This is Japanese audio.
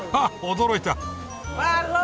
驚いた。